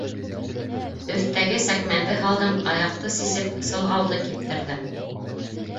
Өҫтәге сәкмәнде һалдым, аяҡты сисеп, сылғауҙы киптерҙем.